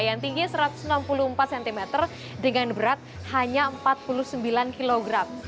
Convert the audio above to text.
yang tingginya satu ratus enam puluh empat cm dengan berat hanya empat puluh sembilan kg